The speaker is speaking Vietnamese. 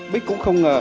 bích cũng không ngờ